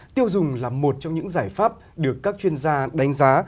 tiêu dùng là một trong những giải pháp được các chuyên gia đánh giá